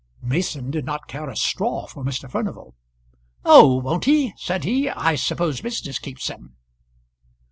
Mason did not care a straw for Mr. Furnival. "Oh! won't he?" said he. "I suppose business keeps him."